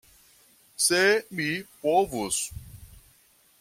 Se mi povus!